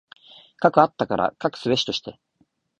斯くあったから斯くすべしとして。